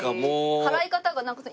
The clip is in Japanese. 払い方がなんか。